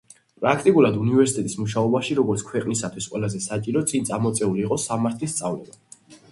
პრაქტიკულად უნივერსიტეტის მუშაობაში როგორც ქვეყნისათვის ყველაზე საჭირო წინ წამოწეული იყო სამართლის სწავლება.